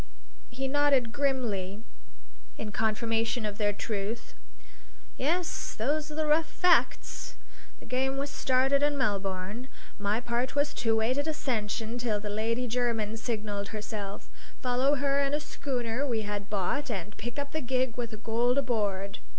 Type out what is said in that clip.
He nodded grimly in confirmation of their truth. "Yes, those are the rough facts. The game was started in Melbourne. My part was to wait at Ascension till the Lady Jermyn signalled herself, follow her in a schooner we had bought and pick up the gig with the gold aboard.